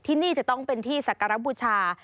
ที่นี่จะต้องเป็นที่สักการบูชา